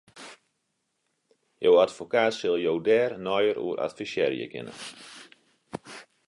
Jo advokaat sil jo dêr neier oer advisearje kinne.